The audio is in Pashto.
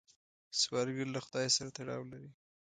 سوالګر له خدای سره تړاو لري